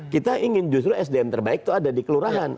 kita ingin justru sdm terbaik itu ada di kelurahan